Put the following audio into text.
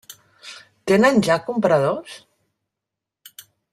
Tenen ja compradors?